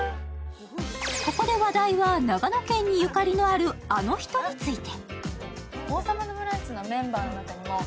ここで話題は長野県にゆかりのある、あの人について。